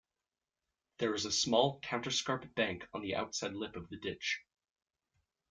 There is a small counterscarp bank on the outside lip of the ditch.